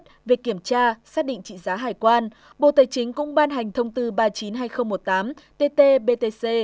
về kiểm tra xác định trị giá hải quan bộ tài chính cũng ban hành thông tư ba trăm chín mươi hai nghìn một mươi tám tt btc